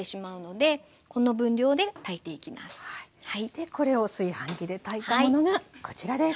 でこれを炊飯器で炊いたものがこちらです。